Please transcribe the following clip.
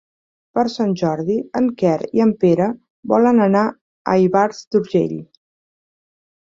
Per Sant Jordi en Quer i en Pere volen anar a Ivars d'Urgell.